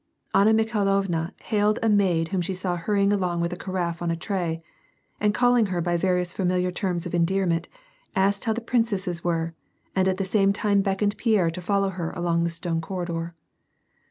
Anna Mikhailovna hailed a maid whom she saw hurrying along with a carafe on a tray, and calling her by various familiar terms of endearment, asked how the princesses were, and at the same time beckoned Pierre to follow her along the stone corridor.